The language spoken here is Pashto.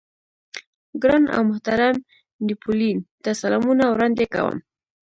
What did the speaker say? ګران او محترم نيپولېين ته سلامونه وړاندې کوم.